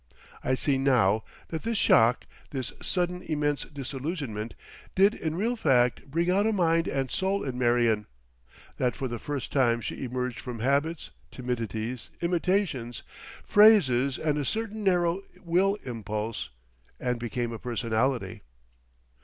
I see now that this shock, this sudden immense disillusionment, did in real fact bring out a mind and soul in Marion; that for the first time she emerged from habits, timidities, imitations, phrases and a certain narrow will impulse, and became a personality.